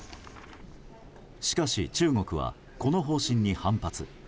しかし、中国はこの方針に反発。